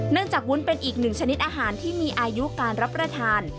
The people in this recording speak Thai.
จากวุ้นเป็นอีกหนึ่งชนิดอาหารที่มีอายุการรับประทาน